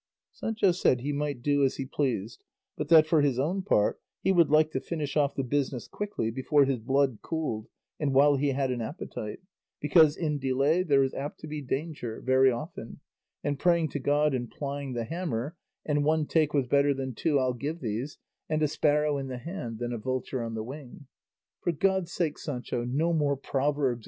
Sancho said he might do as he pleased; but that for his own part he would like to finish off the business quickly before his blood cooled and while he had an appetite, because "in delay there is apt to be danger" very often, and "praying to God and plying the hammer," and "one take was better than two I'll give thee's," and "a sparrow in the hand than a vulture on the wing." "For God's sake, Sancho, no more proverbs!"